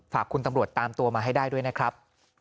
ฝากคุณตำรวจตามตัวมาให้ได้ด้วยนะครับ